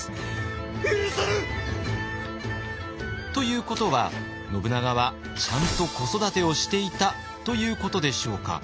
ということは信長はちゃんと子育てをしていたということでしょうか。